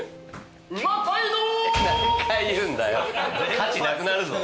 価値なくなるぞ。